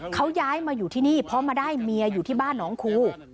เขาย้ายมาอยู่ที่นี่เพราะมาได้เมียอยู่ที่บ้านน้องครู